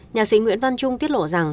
nhà sĩ nguyễn văn trung tiết lộ rằng